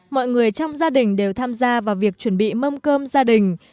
mọi người trong gia đình đều tham gia vào việc chuẩn bị mâm cơm gia đình